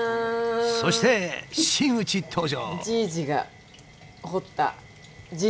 そして真打ち登場！